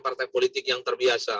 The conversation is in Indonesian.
partai politik yang terbiasa